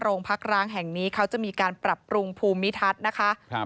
โรงพักร้างแห่งนี้เขาจะมีการปรับปรุงภูมิทัศน์นะคะครับ